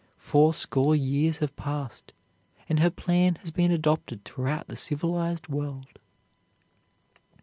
Fourscore years have passed, and her plan has been adopted throughout the civilized world.